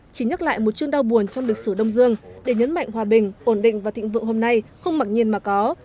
chỉ nhắc lại một chương đau buồn trong lịch sử đông dương để nhấn mạnh hòa bình ổn định và thịnh vượng hôm nay không mặc nhiên mà có